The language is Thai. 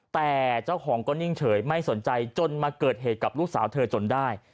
แต่เจ้าของก็นิ่งเฉยไม่สนใจจนมาเกิดเหตุกับลูกสาวเธอจนได้